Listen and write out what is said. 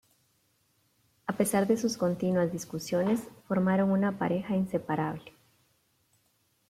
A pesar de sus continuas discusiones, formaron una pareja inseparable.